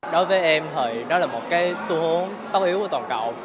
đối với em thì đó là một cái xu hướng tất yếu của toàn cầu